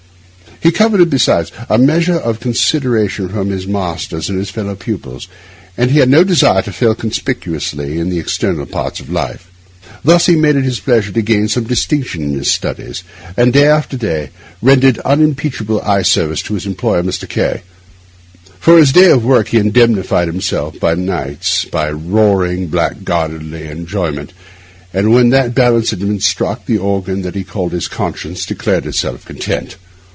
He coveted, besides, a measure of consideration from his masters and his fellow pupils, and he had no desire to fail conspicuously in the external parts of life. Thus he made it his pleasure to gain some distinction in his studies, and day after day rendered unimpeachable eye service to his employer, Mr. K—. For his day of work he indemnified himself by nights of roaring, blackguardly enjoyment; and when that balance had been struck, the organ that he called his conscience declared itself content.